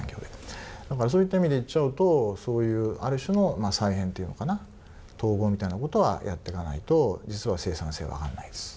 だからそういった意味で言っちゃうとそういうある種の再編というのかな統合みたいなことはやってかないと実は生産性は上がらないです。